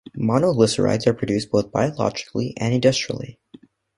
Monoglycerides are produced both biologically and industrially.